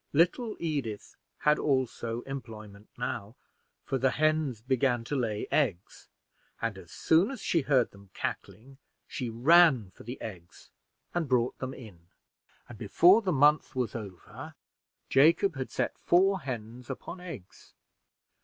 Little Edith had also employment now, for the hens began to lay eggs, and as soon as she heard them cackling, she ran for the eggs and brought them in; and before the month was over, Jacob had set four hens upon eggs.